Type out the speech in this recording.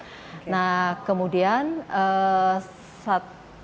jadi waktu itu dengan kami dapatkan nilai cycle thresholdnya dua puluh enam